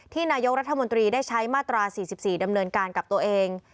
นายกรัฐมนตรีได้ใช้มาตรา๔๔ดำเนินการกับตัวเอง